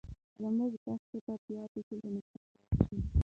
زموږ دښتې به بیا د ګلانو په څېر شي.